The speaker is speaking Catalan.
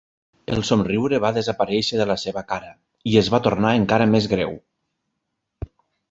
El somriure va desaparèixer de la seva cara i es va tornar encara més greu.